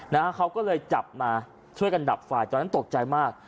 นะฮะเขาก็เลยจับมาช่วยกันดับไฟตอนนั้นตกใจมาก